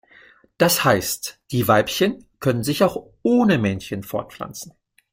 Das heißt, die Weibchen können sich auch ohne Männchen fortpflanzen.